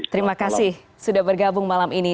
terima kasih sudah bergabung malam ini